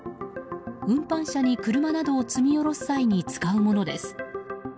運搬車に車などを積み下ろす際に使うものです。